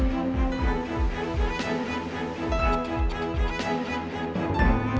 ทุกคนพร้อมแล้วขอเสียงปลุ่มมือต้อนรับ๑๒สาวงามในชุดราตรีได้เลยค่ะ